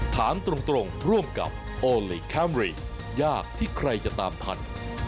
ถามตรงร่วมกับโอลี่คัมรี่ยากที่ใครจะตามทัน